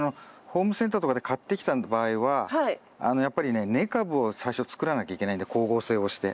ホームセンターとかで買ってきた場合はやっぱりね根株を最初作らなきゃいけないんで光合成をして。